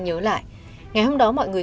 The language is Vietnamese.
nhớ lại ngày hôm đó mọi người